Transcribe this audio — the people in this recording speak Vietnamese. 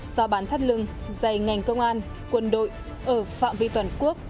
giao bán thắt lưng dày ngành công an quân đội ở phạm vi toàn quốc